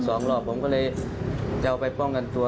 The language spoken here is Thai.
สองรอบผมก็เลยจะเอาไปป้องกันตัว